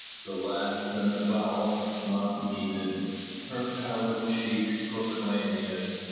The last an avowal not needed: her pallid cheeks proclaiming it.